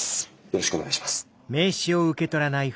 よろしくお願いします。